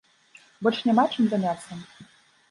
Больш няма чым заняцца?